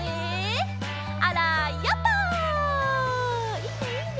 いいねいいね。